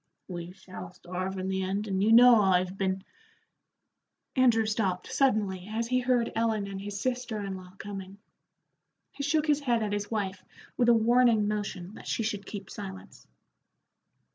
"We shall starve in the end, and you know I've been " Andrew stopped suddenly as he heard Ellen and his sister in law coming. He shook his head at his wife with a warning motion that she should keep silence.